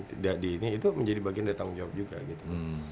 tidak di ini itu menjadi bagian dari tanggung jawab juga gitu